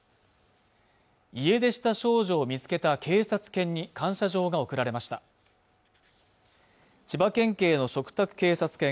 家出した少女を見つけた警察犬に感謝状が贈られました千葉県警の嘱託警察犬